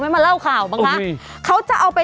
ทำไมคิดว่ามันมีไซ่หลังหรือไง